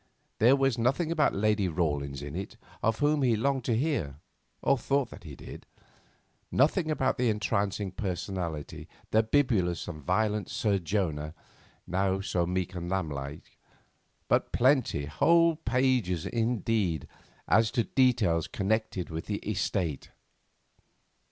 There was nothing about Lady Rawlins in it, of whom he longed to hear, or thought that he did; nothing about that entrancing personality, the bibulous and violent Sir Jonah, now so meek and lamblike, but plenty, whole pages indeed, as to details connected with the estate.